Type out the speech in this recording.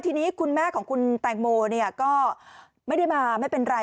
ทีนี้คุณแม่ของคุณแตงโมก็ไม่ได้มาไม่เป็นไร